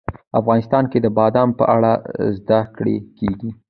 افغانستان کې د بادام په اړه زده کړه کېږي.